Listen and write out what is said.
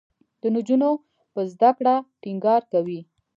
د نجونو په زده کړه ټینګار کوي.